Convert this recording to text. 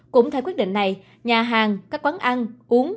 cũng theo quyết định này nhà hàng các quán ăn uống